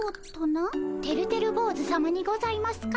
てるてる坊主さまにございますか？